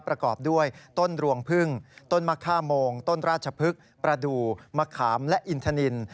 ประกอบด้วยต้นรวงพึ่งต้นมะค่าโมงต้นราชพฤกษ์ประดูกมะขามและอินทนิน